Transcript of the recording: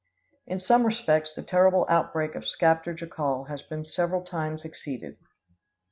In some respects the terrible outbreak of Skaptar Jokul has been several times exceeded.